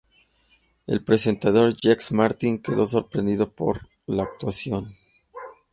El presentador Jacques Martin quedó sorprendido por la actuación.